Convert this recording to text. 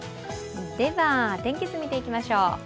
では、天気図見ていきましょう。